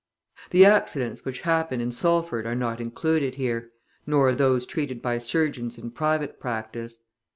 The accidents which happened in Salford are not included here, nor those treated by surgeons in private practice.